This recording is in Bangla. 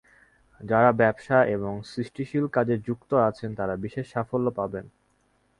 যাঁরা ব্যবসা এবং সৃষ্টিশীল কাজে যুক্ত আছেন, তাঁরা বিশেষ সাফল্য পাবেন।